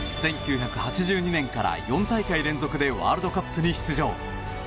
１９８２年から４大会連続でワールドカップに出場。